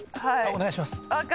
お願いします。